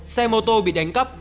xe mô tô bị đánh cắp